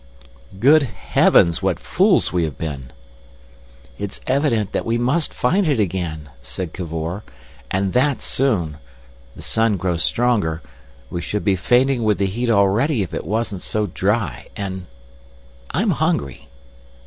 "Good heavens! What fools we have been!" "It's evident that we must find it again," said Cavor, "and that soon. The sun grows stronger. We should be fainting with the heat already if it wasn't so dry. And ... I'm hungry."